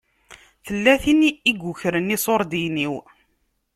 Tella tin i yukren iṣuṛdiyen-iw.